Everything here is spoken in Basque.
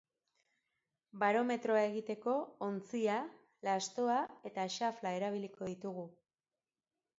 Barometroa egiteko ontzia, lastoa eta xafla erabiliko ditugu.